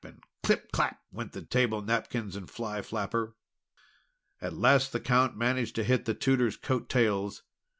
_" and "Clip! Clap!" went the table napkins and fly flapper. At last the Count managed to hit the Tutor's coat tails.